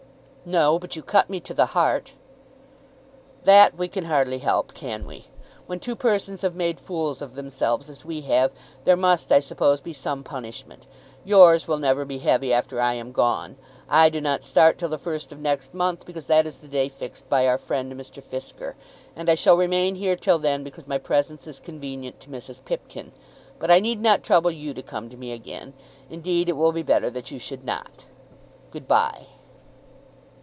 "No; but you cut me to the heart." "That we can hardly help; can we? When two persons have made fools of themselves as we have, there must I suppose be some punishment. Yours will never be heavy after I am gone. I do not start till the first of next month because that is the day fixed by our friend, Mr. Fisker, and I shall remain here till then because my presence is convenient to Mrs. Pipkin; but I need not trouble you to come to me again. Indeed it will be better that you should not. Good bye."